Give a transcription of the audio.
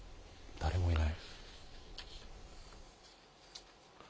誰もいない。